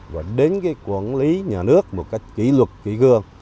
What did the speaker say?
và đến cái quản lý nhà nước một cách kỹ luật kỹ gương